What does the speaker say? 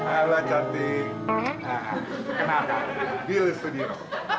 allah cati kenapa di studio